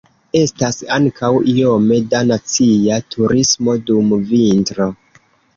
Estas ankaŭ iome da nacia turismo dum vintro.